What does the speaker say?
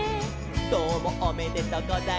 「どうもおめでとうございません」